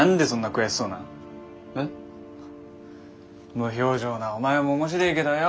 無表情なお前も面白えけどよ